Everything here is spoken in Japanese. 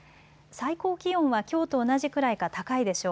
最高気温はきょうと同じくらいか高いでしょう。